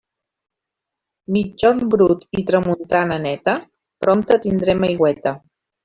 Migjorn brut i tramuntana neta? Prompte tindrem aigüeta.